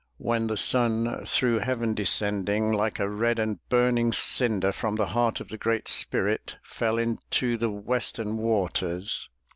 When the sun through heaven descending, Like a red and burning cinder From the heart of the Great Spirit, Fell into the western waters.